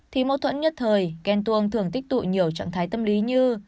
thì mâu thuẫn nhất thời ken tuông thường tích tụ nhiều trạng thái tâm lý như